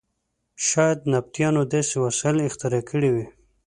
شاید نبطیانو داسې وسایل اختراع کړي وي.